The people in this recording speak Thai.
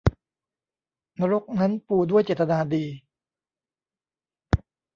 นรกนั้นปูด้วยเจตนาดี